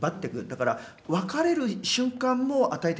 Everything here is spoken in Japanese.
だから別れる瞬間も与えてくれない。